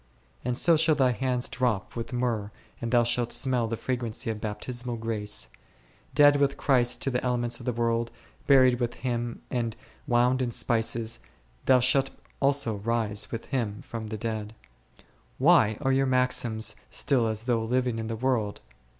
And so shall thy hands drop with myrrh and thou shalt smell the fragrancy of Baptismal grace ; dead with Christ to the elements of the world, buried with Him and wound in spices, thou shalt also rise with Him from the dead. Why are your maxims still as though living in the world